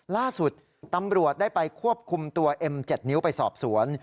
ล่าสุดตำรวจได้ไปควบคุมตัวเอ็ม๗นิ้วไปสอบสวน